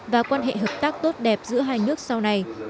và quan hệ hợp tác tốt đẹp giữa hai nước sau này